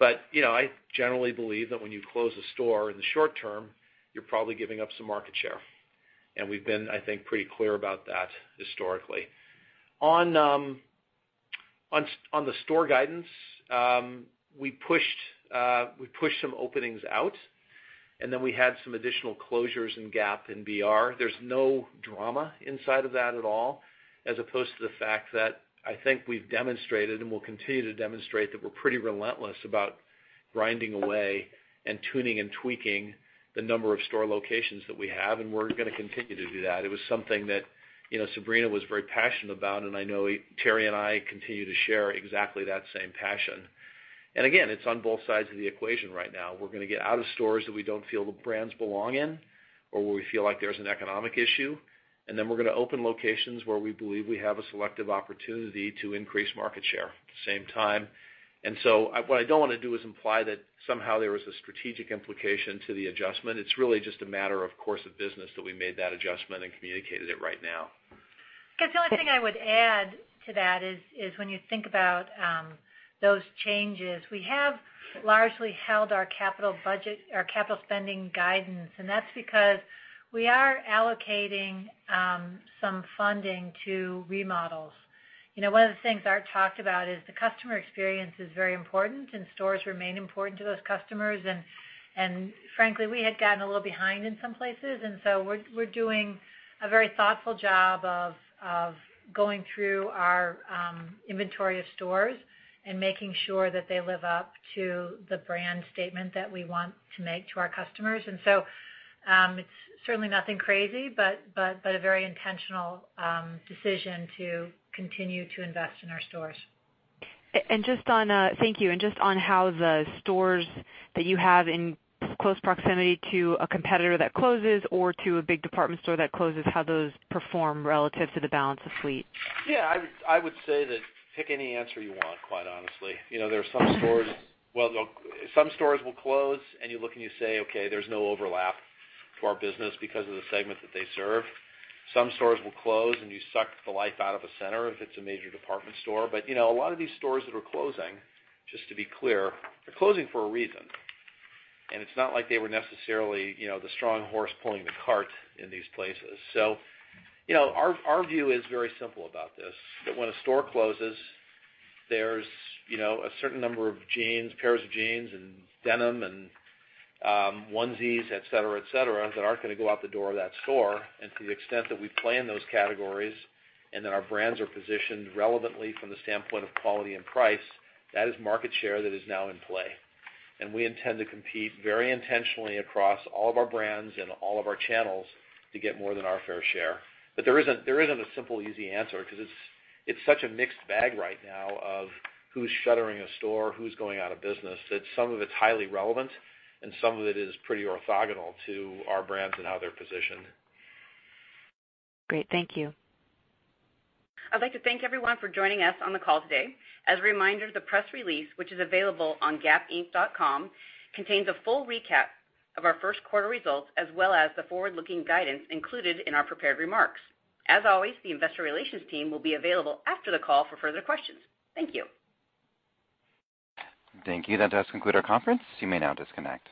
I generally believe that when you close a store in the short term, you're probably giving up some market share. We've been, I think, pretty clear about that historically. On the store guidance, we pushed some openings out, and then we had some additional closures in Gap and BR. There's no drama inside of that at all, as opposed to the fact that I think we've demonstrated and will continue to demonstrate that we're pretty relentless about grinding away and tuning and tweaking the number of store locations that we have, and we're going to continue to do that. It was something that Sabrina was very passionate about, and I know Teri and I continue to share exactly that same passion. Again, it's on both sides of the equation right now. We're going to get out of stores that we don't feel the brands belong in or where we feel like there's an economic issue, then we're going to open locations where we believe we have a selective opportunity to increase market share at the same time. What I don't want to do is imply that somehow there was a strategic implication to the adjustment. It's really just a matter of course of business that we made that adjustment and communicated it right now. I guess the only thing I would add to that is when you think about those changes, we have largely held our capital spending guidance, that's because we are allocating some funding to remodels. One of the things Art talked about is the customer experience is very important, stores remain important to those customers. Frankly, we had gotten a little behind in some places, so we're doing a very thoughtful job of going through our inventory of stores and making sure that they live up to the brand statement that we want to make to our customers. It's certainly nothing crazy, but a very intentional decision to continue to invest in our stores. Thank you. Just on how the stores that you have in close proximity to a competitor that closes or to a big department store that closes, how those perform relative to the balance of fleet. Yeah. I would say that pick any answer you want, quite honestly. There are some stores-- Well, look, some stores will close, and you look and you say, "Okay, there's no overlap to our business because of the segment that they serve." Some stores will close, and you suck the life out of a center if it's a major department store. A lot of these stores that are closing, just to be clear, are closing for a reason. It's not like they were necessarily the strong horse pulling the cart in these places. Our view is very simple about this, that when a store closes, there's a certain number of pairs of jeans and denim and onesies, et cetera, that aren't going to go out the door of that store. To the extent that we play in those categories and that our brands are positioned relevantly from the standpoint of quality and price, that is market share that is now in play. We intend to compete very intentionally across all of our brands and all of our channels to get more than our fair share. There isn't a simple, easy answer because it's such a mixed bag right now of who's shuttering a store, who's going out of business, that some of it's highly relevant and some of it is pretty orthogonal to our brands and how they're positioned. Great. Thank you. I'd like to thank everyone for joining us on the call today. As a reminder, the press release, which is available on gapinc.com, contains a full recap of our first quarter results as well as the forward-looking guidance included in our prepared remarks. As always, the investor relations team will be available after the call for further questions. Thank you. Thank you. That does conclude our conference. You may now disconnect.